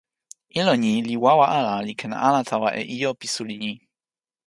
ilo ni li wawa ala li ken ala tawa e ijo pi suli ni.